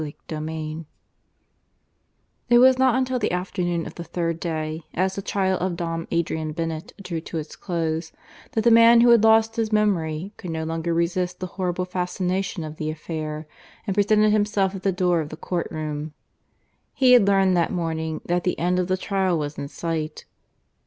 CHAPTER III (I) It was not until the afternoon of the third day, as the trial of Dom Adrian Bennett drew to its close, that the man who had lost his memory could no longer resist the horrible fascination of the affair, and presented himself at the door of the court room. He had learned that morning that the end of the trial was in sight.